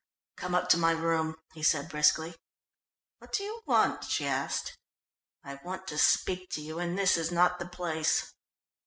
"Come up to my room," he said briskly. "What do you want?" she asked. "I want to speak to you and this is not the place."